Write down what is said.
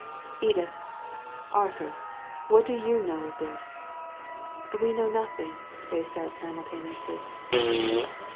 Edith! Arthur ! What do you know of this ?"" We know nothing/' they 3aid simultaneously.